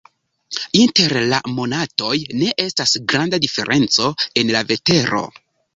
Inter la monatoj ne estas granda diferenco en la vetero.